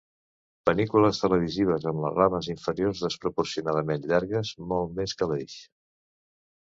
Panícules televisives amb les rames inferiors desproporcionadament llargues, molt més que l'eix.